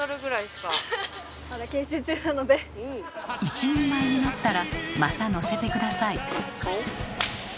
一人前になったらまた乗せて下さい。